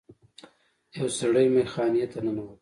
یو سړی میخانې ته ننوت.